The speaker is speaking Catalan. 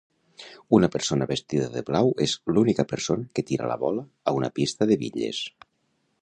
Una persona vestida de blau és l'única persona que tira la bola a una pista de bitlles.